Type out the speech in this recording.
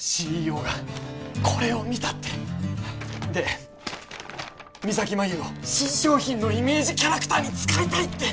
ＣＥＯがこれを見たってで三咲麻有を新商品のイメージキャラクターに使いたいって！